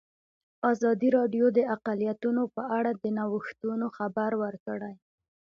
ازادي راډیو د اقلیتونه په اړه د نوښتونو خبر ورکړی.